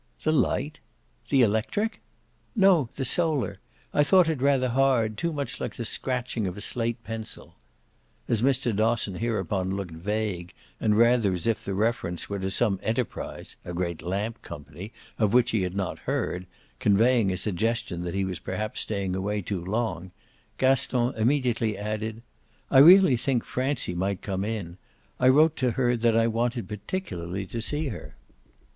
"The light the electric?" "No, the solar! I thought it rather hard, too much like the scratching of a slate pencil." As Mr. Dosson hereupon looked vague and rather as if the reference were to some enterprise (a great lamp company) of which he had not heard conveying a suggestion that he was perhaps staying away too long, Gaston immediately added: "I really think Francie might come in. I wrote to her that I wanted particularly to see her."